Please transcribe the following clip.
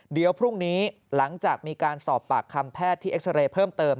เดี๋ยวพรุ่งนี้หลังจากมีการสอบปากคำแพทย์ที่เอ็กซาเรย์เพิ่มเติม